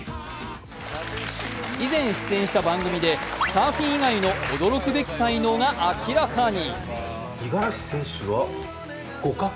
以前、出演した番組でサーフィン以外の驚くべき才能が明らかに。